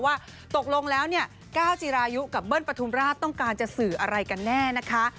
ว่าตกลงแล้วเนี่ยก้าวจีรายุกับเบิ้ลปฐุมราชต้องการจะสื่ออะไรกันแน่นะคะ